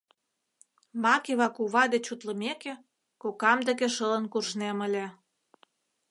— Макева кува деч утлымеке, кокам деке шылын куржнем ыле.